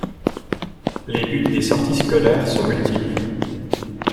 Les buts des sorties scolaires sont multiples.